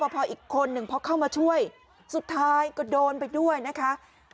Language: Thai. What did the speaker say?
พออีกคนหนึ่งพอเข้ามาช่วยสุดท้ายก็โดนไปด้วยนะคะ